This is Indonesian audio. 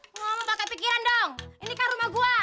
ngomong pake pikiran dong ini kan rumah gua